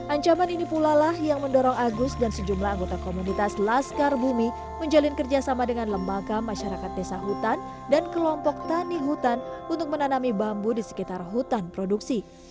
ancaman ini pula lah yang mendorong agus dan sejumlah anggota komunitas laskar bumi menjalin kerjasama dengan lembaga masyarakat desa hutan dan kelompok tani hutan untuk menanami bambu di sekitar hutan produksi